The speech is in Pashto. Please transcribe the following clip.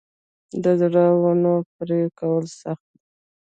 د زړو ونو پرې کول سخت دي؟